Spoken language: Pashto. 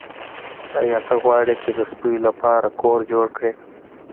ایا ته غواړې چې د سپیو لپاره کور جوړ کړې